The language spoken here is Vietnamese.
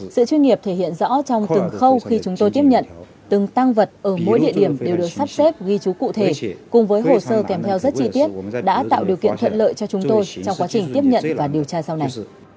sự chuyên nghiệp thể hiện rõ trong từng khâu khi chúng tôi tiếp nhận từng tăng vật ở mỗi địa điểm đều được sắp xếp ghi chú cụ thể cùng với hồ sơ kèm theo rất chi tiết đã tạo điều kiện thuận lợi cho chúng tôi trong quá trình tiếp nhận và điều tra sau này